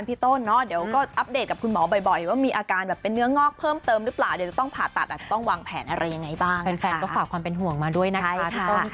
เป็นแฝนก็ฝากความเป็นห่วงมาด้วยนะคะ